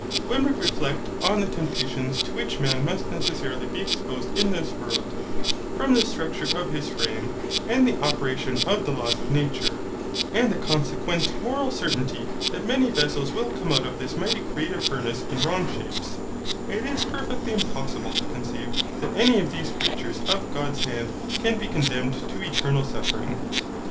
When we reflect on the temptations to which man must necessarily be exposed in this world, from the structure of his frame, and the operation of the laws of nature, and the consequent moral certainty that many vessels will come out of this mighty creative furnace in wrong shapes, it is perfectly impossible to conceive that any of these creatures of God's hand can be condemned to eternal suffering.